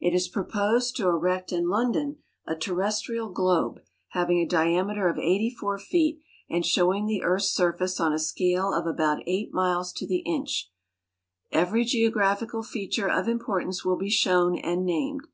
It is proposed to erect in London a terrestrial globe having a diameter of 84 feet and showing the earth's surface on a scale of about eight miles to the inch. Every geographical feature of importance will be shown and named.